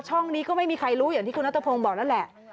ช่องนี้ก็ไม่มีใครรู้อย่างที่คุณนัทพงศ์บอกนั่นแหละ